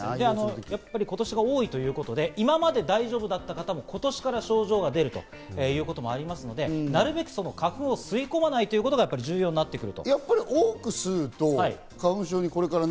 やっぱり、今年多いということで今まで大丈夫だった方も、今年から症状が出るということもありますので、なるべく花粉を吸い込まないことが重要になります。